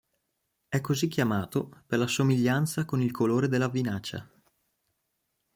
È così chiamato per la somiglianza con il colore della vinaccia.